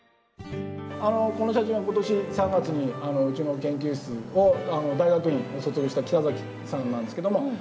この写真は今年３月にうちの研究室を大学院を卒業した喜多崎さんなんですけども。